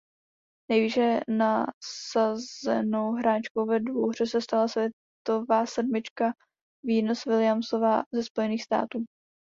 Nejvýše nasazenou hráčkou ve dvouhře se stala světová sedmička Venus Williamsová ze Spojených států.